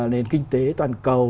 nền kinh tế toàn cầu